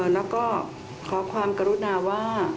แล้วก็ขอความกรุณาว่า